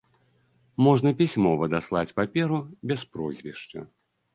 Можна пісьмова даслаць паперу, без прозвішча.